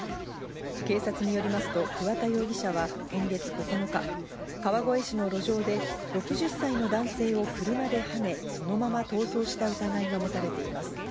警察によりますと桑田容疑者は今月９日、川越市の路上で６０歳の男性を車ではね、そのまま逃走した疑いが持たれています。